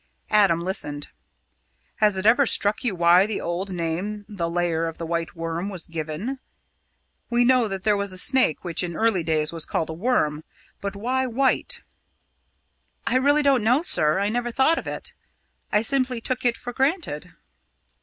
Adam listened. "Has it ever struck you why the old name, 'The Lair of the White Worm,' was given? We know that there was a snake which in early days was called a worm; but why white?" "I really don't know, sir; I never thought of it. I simply took it for granted."